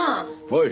はい。